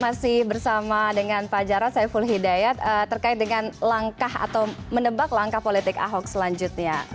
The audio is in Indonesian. masih bersama dengan pak jarod saiful hidayat terkait dengan langkah atau menebak langkah politik ahok selanjutnya